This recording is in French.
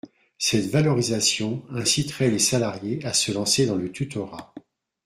Cette valorisation inciterait les salariés à se lancer dans le tutorat.